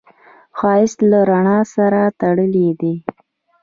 ښایست له رڼا سره تړلی دی